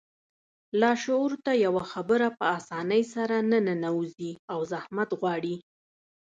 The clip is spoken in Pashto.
لاشعور ته يوه خبره په آسانۍ سره نه ننوځي او زحمت غواړي.